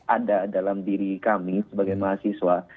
ada dalam diri kami sebagai mahasiswa